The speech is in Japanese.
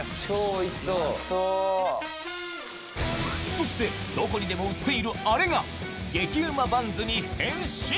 そしてどこにでも売っているあれが激ウマバンズに変身！